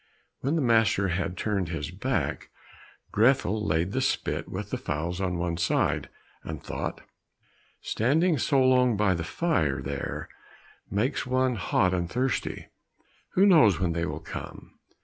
When the master had turned his back, Grethel laid the spit with the fowls on one side, and thought, "Standing so long by the fire there, makes one hot and thirsty; who knows when they will come?